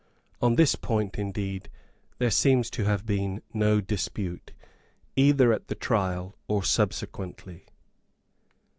On this point indeed there seems to have been no dispute, either at the trial or subsequently.